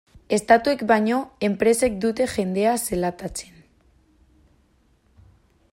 Estatuek baino, enpresek dute jendea zelatatzen.